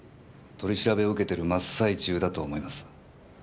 取り調べを受けてる真っ最中だと思います。